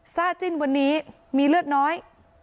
ซ่าจิ้นวันนี้มีเลือดน้อย